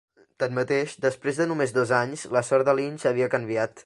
Tanmateix, després de només dos anys, la sort de Lynch havia canviat.